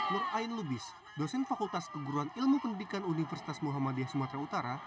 nur ain lubis dosen fakultas keguruan ilmu pendidikan universitas muhammadiyah sumatera utara